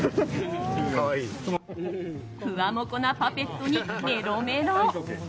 ふわもこなパペットにメロメロ。